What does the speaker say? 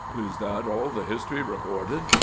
" Is that all the history recorded ?